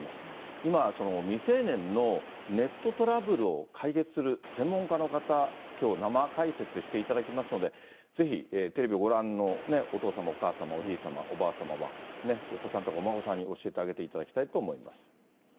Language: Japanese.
今、未成年のネットトラブルを解決する専門家の方、きょう、生解説していただきますので、ぜひテレビをご覧のお父様、お母様、おじい様、おばあ様は、お子さんとかお孫さんに教えてあげていただきたいと思います。